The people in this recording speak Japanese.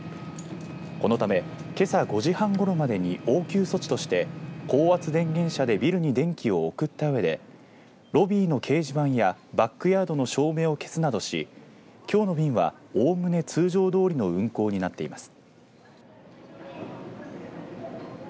このため、けさ５時半ごろまでに応急措置として高圧電源車でビルに電気を送ったうえでロビーの掲示板やバックヤードの照明を消すなどしきょうの便はおおむね通常どおりの運航になっています。